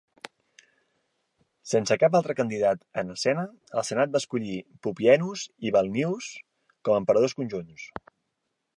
Sense cap altre candidat en escena, el senat va escollir Pupienus i Balbinus com a emperadors conjunts.